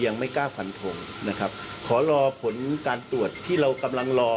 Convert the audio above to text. ยังไม่กล้าฟันทงนะครับขอรอผลการตรวจที่เรากำลังรอ